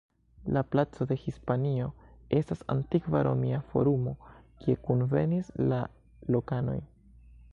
La placo de Hispanio estas antikva Romia Forumo kie kunvenis la lokanoj.